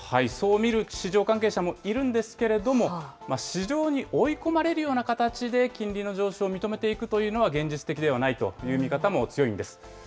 見る市場関係者もいるんですけれども、市場に追い込まれるような形で金利の上昇を認めていくというのは、現実的ではないという見方も強いんです。